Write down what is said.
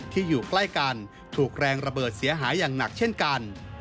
อยู่ใกล้กันถูกแรงระเบิดเสียหายอย่างหนักเช่นกัน